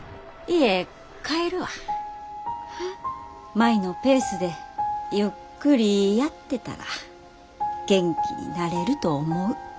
舞のペースでゆっくりやってたら元気になれると思う。